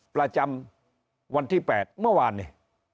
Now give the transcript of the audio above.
ประจำวันที่๘เมื่อวานนี้